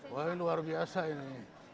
wah ini luar biasa ini